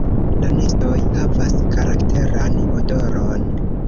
La nestoj havas karakteran odoron.